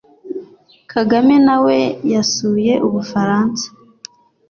Kagame nawe yasuye Ubufaransa